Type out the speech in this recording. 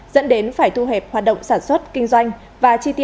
dẫn đến phải thu hẹp hoạt động xăng dầu